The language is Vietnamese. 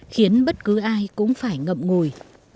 khiến bất cứ ai cũng phải ngậm ngùi